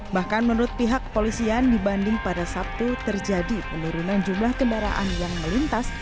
bahkan menurut pihak kepolisian dibanding pada sabtu terjadi penurunan jumlah kendaraan yang melintas